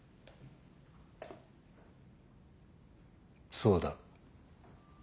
そうだ。